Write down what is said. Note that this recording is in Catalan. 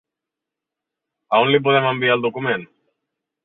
A on li podem enviar el document?